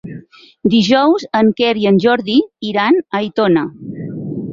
Dijous en Quer i en Jordi iran a Aitona.